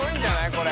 これ。